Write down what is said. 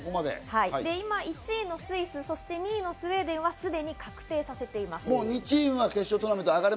今１位のスイス、そして２位のスウェーデンはすでに確定させています。